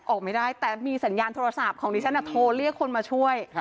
ออกไม่ได้แต่มีสัญญาณโทรศัพท์ของดิฉันโทรเรียกคนมาช่วย